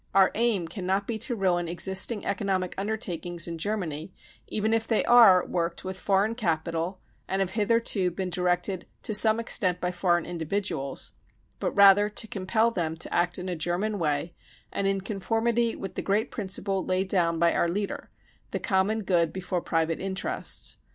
Our aim cannot be terrain exist ing economic undertakings in Germany, even if they are worked with foreign capital and have hitherto been directed to some extent by foreign individuals, but rather to compel them to act in a German way and in conformity with the great principle laid down by our leader — e the common good before private interests